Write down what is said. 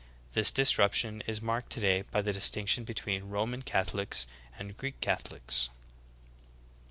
This disruption is marked today by the distinction between Roman Catholics and Greek Catho lics.